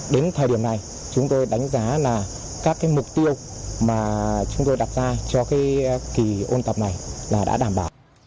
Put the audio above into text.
đến thời điểm này chúng tôi đánh giá là các cái mục tiêu mà chúng tôi đặt ra cho kỳ ôn tập này là đã đảm bảo